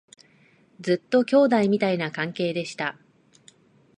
ずっと兄弟みたいな関係でした